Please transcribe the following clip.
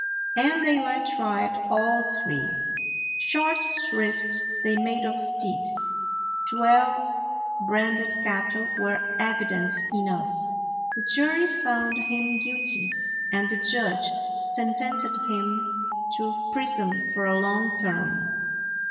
And they were tried, all three. Short shrift they made of Stead; twelve branded 106 A NEW ZEALAND DOG cattle were evidence enough. The jury found him guilty, and the judge sentenced him to prison for a long term.